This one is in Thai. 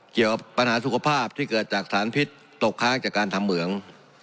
เกี่ยวกับปัญหาสุขภาพที่เกิดจากสารพิษตกค้างจากการทำเหมือง